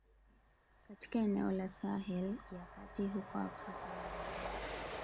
katika eneo la Sahel ya kati huko Afrika magharibi